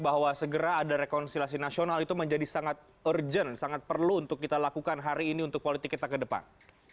bahwa segera ada rekonsiliasi nasional itu menjadi sangat urgent sangat perlu untuk kita lakukan hari ini untuk politik kita ke depan